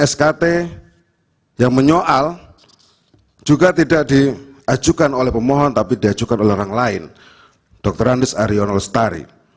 skt yang menyoal juga tidak diajukan oleh pemohon tapi diajukan oleh orang lain dr andes aryono lestari